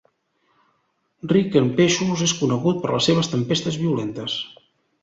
Ric en peixos, és conegut per les seves tempestes violentes.